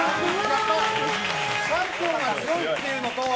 チャンピオンが強いというのと。